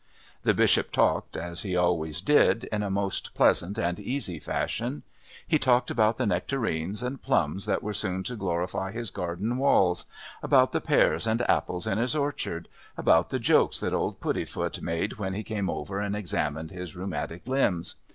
The Bishop talked, as he always did, in a most pleasant and easy fashion. He talked about the nectarines and plums that were soon to glorify his garden walls, about the pears and apples in his orchard, about the jokes that old Puddifoot made when he came over and examined his rheumatic limbs.